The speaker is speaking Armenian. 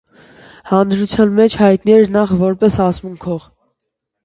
Հանրության մեջ հայտնի էր նախ որպես ասմունքող։